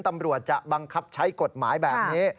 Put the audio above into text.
ตำรวจจะบังคับใช้กฎหมายแบบนี้